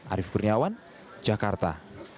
arief kurniawan jakarta